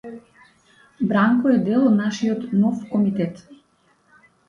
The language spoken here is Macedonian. Бранко е дел од нашиот нов комитет.